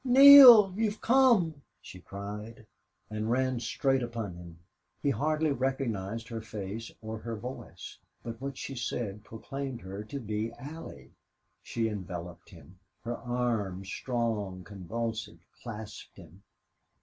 "Neale! You've come!" she cried, and ran straight upon him. He hardly recognized her face or her voice, but what she said proclaimed her to be Allie. She enveloped him. Her arms, strong, convulsive, clasped him.